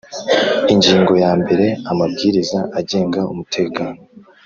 Ingingo ya mbere Amabwiriza agenga umutekano